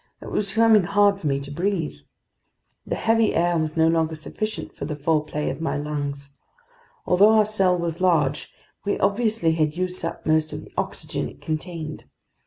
It was becoming hard for me to breathe. The heavy air was no longer sufficient for the full play of my lungs. Although our cell was large, we obviously had used up most of the oxygen it contained.